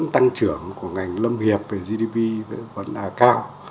tăng trưởng của ngành lâm nghiệp về gdp vẫn là cao